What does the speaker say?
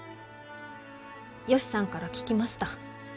ヨシさんから聞きました。